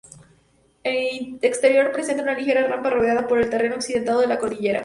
El exterior presenta una ligera rampa rodeada por el terreno accidentado de la cordillera.